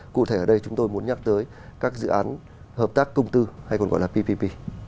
cụ thể ở đây chúng tôi muốn nhắc tới các dự án hợp tác công tư hay còn gọi là ppp